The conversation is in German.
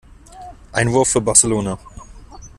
Einwurf für Barcelona.